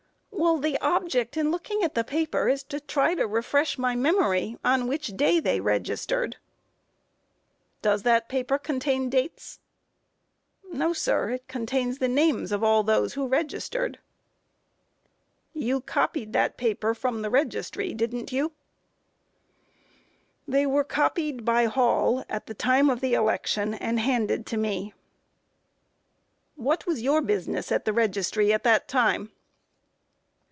A. Well, the object in looking at that paper is to try to refresh my memory on which day they registered. Q. Does that paper contain dates? A. No, sir; it contains the names of all those who registered. Q. You copied that paper from the registry, didn't you? A. They were copied by Hall at the time of the election, and handed to me. Q. What was your business at the registry at that time?